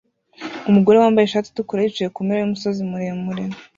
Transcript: Umugore wambaye ishati itukura yicaye kumpera yumusozi muremure